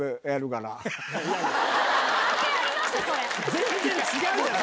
全然違うじゃない。